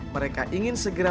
mereka ingin segera